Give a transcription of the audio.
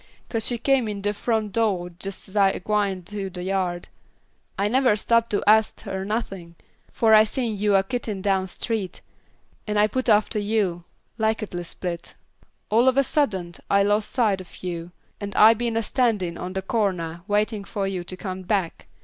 "'Cause she come in de front do' jis' as I was gwine th'ough de yard. I never stopped to ast her nothin', fo' I seen yuh a kitin' down street, an' I put after yuh, lickety split. All of a suddent I los' sight of yuh, an' I been a standin' on de cornah waitin' fo' yuh to come back.